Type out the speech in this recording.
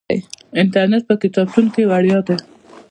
انټرنیټ په کتابتون کې وړیا دی.